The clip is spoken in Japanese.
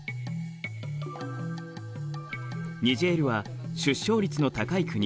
ニジェールは出生率の高い国。